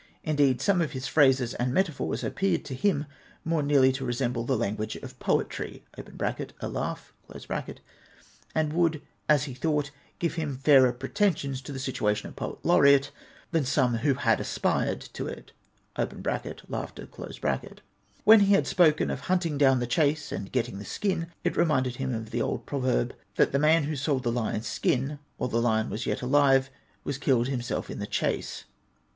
Indeed, some of his phrases and metaphors appeared to him more nearly to resemble the language of poetry {a laur/Ji), and would, as he thought, give him fairer pretensions to the situation of Poet Laureate, than some who had as{)ired to it {laughter'). When he had spoken of " hunting down the chase, and getting the skin," it reminded him of the old proverb, " that the man who sold the lion's skin, while the lion was yet alive, was himself killed in the chase."